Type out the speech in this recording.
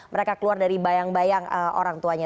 mereka keluar dari bayang bayang orang tuanya